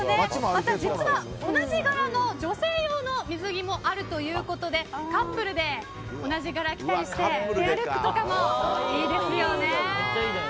また実は同じ柄の女性用の水着もあるということでカップルで同じ柄を着たりしてペアルックとかもいいですよね。